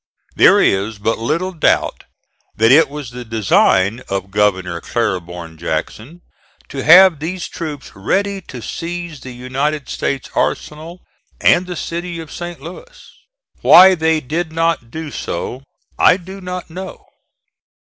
There is but little doubt that it was the design of Governor Claiborn Jackson to have these troops ready to seize the United States arsenal and the city of St. Louis. Why they did not do so I do not know.